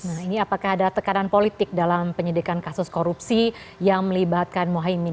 nah ini apakah ada tekanan politik dalam penyidikan kasus korupsi yang melibatkan mohaimin